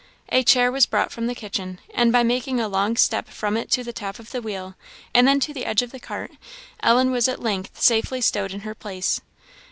A chair was brought from the kitchen, and by making a long step from it to the top of the wheel, and then to the edge of the cart, Ellen was at length safely stowed in her place.